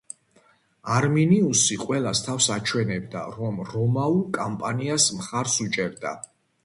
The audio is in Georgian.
არმინიუსი ყველას თავს აჩვენებდა, რომ რომაულ კამპანიას მხარს უჭერდა.